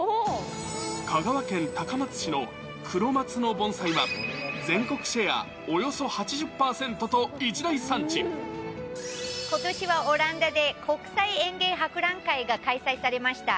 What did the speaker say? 香川県高松市の黒松の盆栽は、全国シェアおよそ８０％と、ことしはオランダで、国際園芸博覧会が開催されました。